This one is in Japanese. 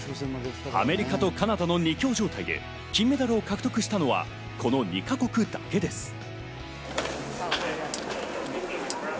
アメリカとカナダの２強状態で金メダルを獲得したのはこの２か国だけです。